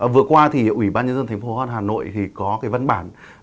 vừa qua thì ủy ban nhân dân tp hcm hà nội thì có cái bàn giao này